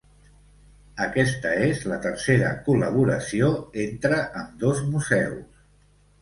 Aquesta és la tercera col·laboració entre ambdós museus.